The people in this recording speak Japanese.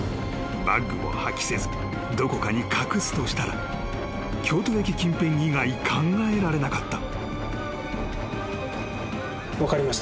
［バッグを破棄せずどこかに隠すとしたら京都駅近辺以外考えられなかった］